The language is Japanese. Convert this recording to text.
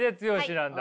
なんだ。